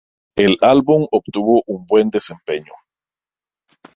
El álbum obtuvo un buen desempeño.